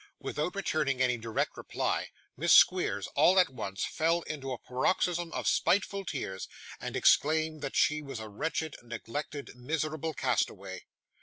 Without returning any direct reply, Miss Squeers, all at once, fell into a paroxysm of spiteful tears, and exclaimed that she was a wretched, neglected, miserable castaway.